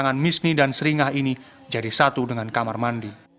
tangan misni dan seringah ini jadi satu dengan kamar mandi